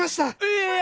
ええ！